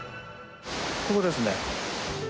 ここですね。